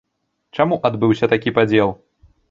Чаму адбыўся такі падзел?